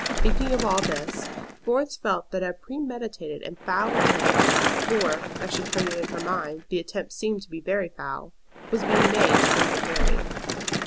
Thinking of all this, Florence felt that a premeditated and foul attempt, for, as she turned it in her mind, the attempt seemed to be very foul, was being made to injure Harry.